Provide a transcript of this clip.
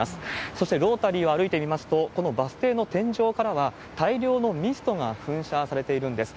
そしてロータリーを歩いていますと、このバス停の天井からは大量のミストが噴射されているんです。